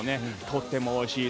とってもおいしい。